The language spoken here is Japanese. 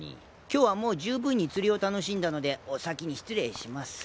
今日はもうじゅうぶんに釣りを楽しんだのでお先に失礼します。